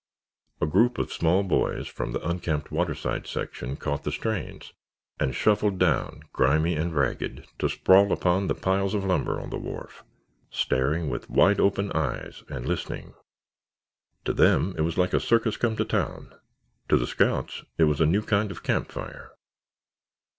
A group of small boys from the unkempt waterside section caught the strains and shuffled down, grimy and ragged, to sprawl upon the piles of lumber on the wharf, staring with wide open eyes, and listening. To them it was like a circus come to town. To the scouts it was a new kind of camp fire.